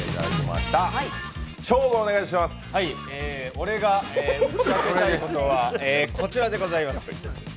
俺が打ち明けたいことは、こちらでございます。